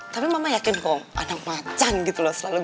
tapi mama yakin kok anak macan gitu loh selama ini